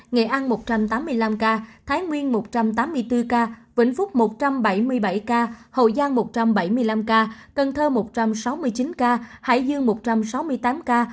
nghệ an một trăm tám mươi năm ca thái nguyên một trăm tám mươi bốn ca vĩnh phúc một trăm bảy mươi bảy ca hậu giang một trăm bảy mươi năm ca cần thơ một trăm sáu mươi chín ca hải dương một trăm sáu mươi tám ca